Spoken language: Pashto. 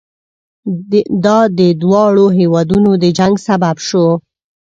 دا د دواړو هېوادونو د جنګ سبب شو.